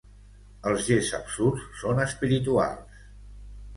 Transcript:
Els gests absurds són espirituals.